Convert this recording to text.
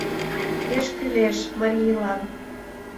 Пеш кӱлеш марийлан: